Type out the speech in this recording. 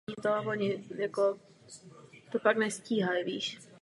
Udílen byl důstojníkům za službu v armádě v dobách války i v dobách míru.